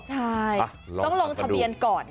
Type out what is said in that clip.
ใช่ต้องลงทะเบียนก่อน